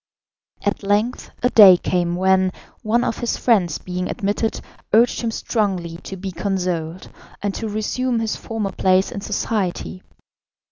At length a day came when, one of his friends being admitted, urged him strongly to be consoled, and to resume his former place in society.